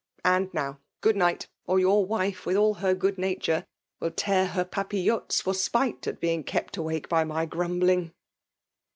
And now; good nigbt ; or your wife, witb all her good nature, will tear ber papillotes for spite at being k^t awake by my grumbling."